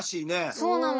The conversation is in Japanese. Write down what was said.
そうなの。